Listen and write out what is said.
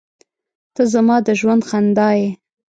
• ته زما د ژوند خندا یې.